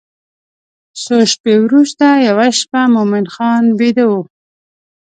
څو شپې وروسته یوه شپه مومن خان بیده و.